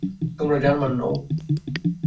তোমরা জার্মান নও।